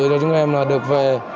cho chúng em được về